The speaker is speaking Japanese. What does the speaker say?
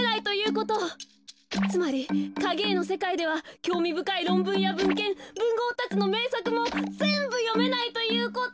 つまりかげえのせかいではきょうみぶかいろんぶんやぶんけんぶんごうたちのめいさくもぜんぶよめないということ。